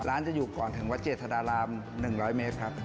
จะอยู่ก่อนถึงวัดเจษฎาราม๑๐๐เมตรครับ